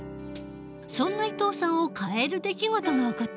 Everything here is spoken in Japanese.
そんな伊藤さんを変える出来事が起こった。